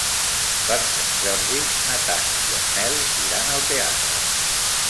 Per Sant Jordi na Tanit i en Nel iran al teatre.